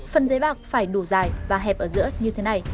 phần giấy bạc phải đủ dài và hẹp ở giữa như thế này